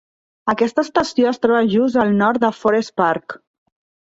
Aquesta estació es troba just al nord de Forest Park.